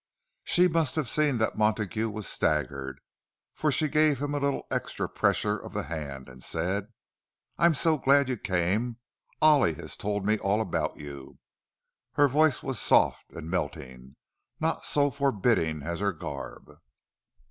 She must have seen that Montague was staggered, for she gave him a little extra pressure of the hand, and said, "I'm so glad you came. Ollie has told me all about you." Her voice was soft and melting, not so forbidding as her garb.